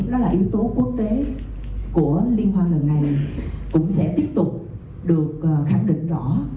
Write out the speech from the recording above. đó là yếu tố quốc tế của liên hoan lần này cũng sẽ tiếp tục được khẳng định rõ